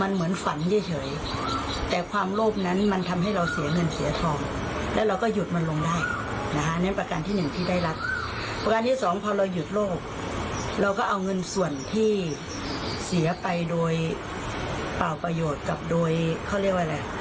เราก็เอาเงินส่วนที่เสียไปโดยเป่าประโยชน์กับโดยข้อเรียกว่าอะไร